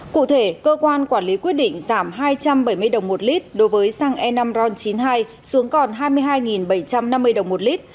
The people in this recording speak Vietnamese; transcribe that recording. cụ thể cơ quan quản lý quyết định giảm hai trăm bảy mươi đồng một lít đối với xăng e năm ron chín mươi hai xuống còn hai mươi hai bảy trăm năm mươi đồng một lít